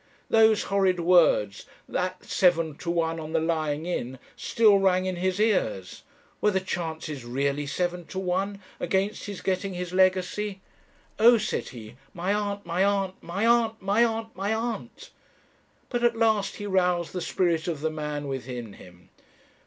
Those horrid words, that 'seven to one on the Lying in,' still rang in his ears; were the chances really seven to one against his getting his legacy? 'Oh!' said he, 'my aunt, my aunt, my aunt, my aunt, my aunt!' "But at last he roused the spirit of the man within him.